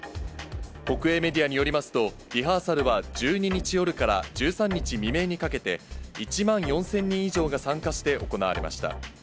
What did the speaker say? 国営メディアによりますと、リハーサルは１２日夜から１３日未明にかけて、１万４０００人以上が参加して行われました。